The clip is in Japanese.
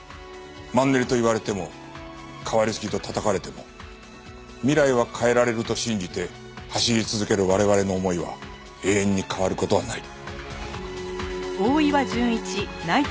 マンネリと言われても変わりすぎとたたかれても未来は変えられると信じて走り続ける我々の思いは永遠に変わる事はない